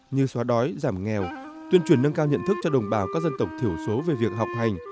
như xóa đói giảm nghèo tuyên truyền nâng cao nhận thức cho đồng bào các dân tộc thiểu số về việc học hành